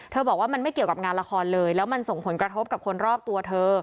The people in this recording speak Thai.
บอกว่ามันไม่เกี่ยวกับงานละครเลยแล้วมันส่งผลกระทบกับคนรอบตัวเธอ